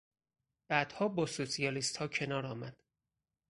بعدها با سوسیالیستها کنار آمد.